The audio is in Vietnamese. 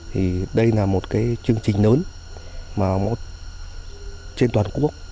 thì đây là một cái chương trình lớn mà trên toàn quốc